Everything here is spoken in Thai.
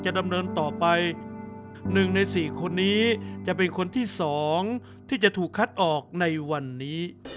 ดำเนินต่อไป๑ใน๔คนนี้จะเป็นคนที่๒ที่จะถูกคัดออกในวันนี้